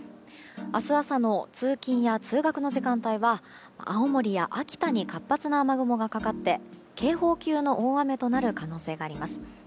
明日朝の通勤や通学の時間帯は青森や秋田に活発な雨雲がかかって警報級の大雨となる可能性があります。